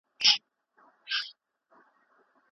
سرمایه داري خلګ بې وزله کوي.